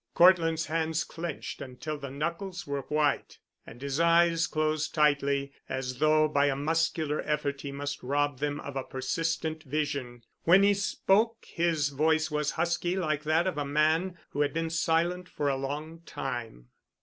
Cortland's hands clenched until the knuckles were white, and his eyes closed tightly, as though by a muscular effort he might rob them of a persistent vision. When he spoke his voice was husky like that of a man who had been silent for a long time.